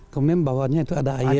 kemudian bawahnya itu ada air